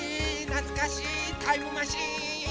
なつかしいタイムマシーン。